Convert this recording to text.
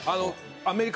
アメリカ